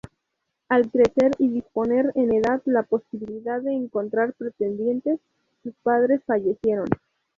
Al crecer y disponer en edad la posibilidad de encontrar pretendiente, sus padres fallecieron.